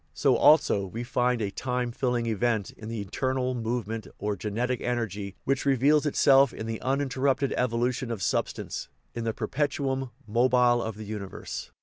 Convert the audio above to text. So also we find a "time filling" event in the eternal movement, or genetic energy, which reveals itself in the uninterrupted evolution of substance, in the perpetuum mobile of the universe.